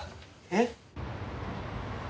えっ？